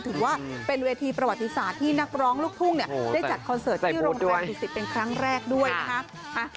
ถือว่าเป็นเวทีประวัติศาสตร์ที่นักร้องลูกทุ่งได้จัดคอนเสิร์ตที่โรงเรียนดุสิตเป็นครั้งแรกด้วยนะคะ